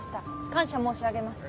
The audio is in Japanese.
感謝申し上げます。